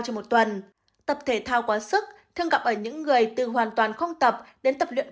trên một tuần tập thể thao quá sức thường gặp ở những người từ hoàn toàn không tập đến tập luyện